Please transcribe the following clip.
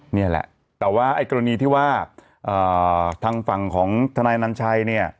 นี่แหละแต่ว่าไอ้กรณีที่ว่าทางฝั่งของทนายนัญชัยเนี่ย